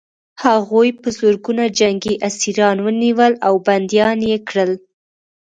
هغوی په زرګونه جنګي اسیران ونیول او بندیان یې کړل